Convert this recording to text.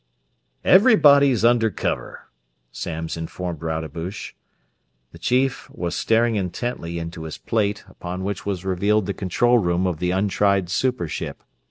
"Everybody is under cover." Samms informed Rodebush. The chief was staring intently into his plate, upon which was revealed the control room of the untried super ship.